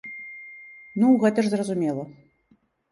Ну гэта ж зразумела.